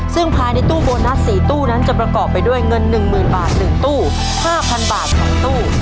ซึ่งภายในตู้โบนัส๔ตู้นั้นจะประกอบไปด้วยเงิน๑๐๐๐บาท๑ตู้๕๐๐บาท๒ตู้